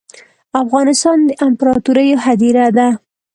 افغانستان ده امپراتوریو هدیره ده